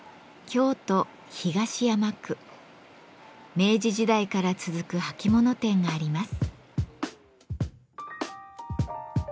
明治時代から続く履物店があります。